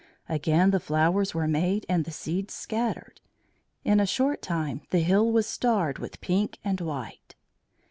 Again the flowers were made and the seeds scattered; in a short time the hill was starred with pink and white.